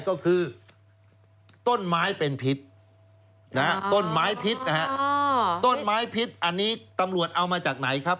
ก็คือต้นไม้เป็นพิษต้นไม้พิษอันนี้ตำรวจเอามาจากไหนครับ